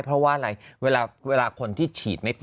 เพราะว่าอะไรเวลาคนที่ฉีดไม่เป็น